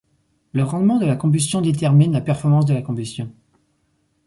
Le rendement de la combustion détermine la performance de la combustion.